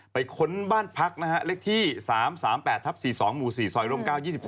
ไปค้นบ้านพักเลขที่๓๓๘๔๒๔ซอยลม๙๒๒